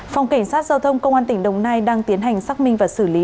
phòng cảnh sát giao thông công an tỉnh đồng nai đang tiến hành xác minh và xử lý